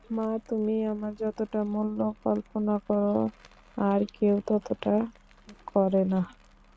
মা, তুমি আমার যতটা মূল্য কল্পনা কর আর-কেউ ততটা করে না।